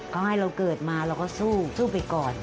เขาให้เราเกิดมาเราก็สู้สู้ไปก่อน